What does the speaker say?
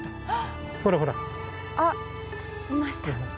ほらほらあっいました